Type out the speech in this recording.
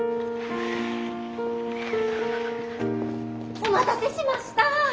お待たせしました！